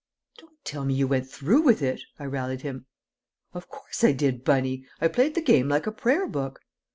"Don't tell me you went through with it!" I rallied him. "Of course I did, Bunny. I played the game like a prayer book."